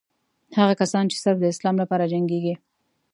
هغه کسان چې صرف د اسلام لپاره جنګېږي.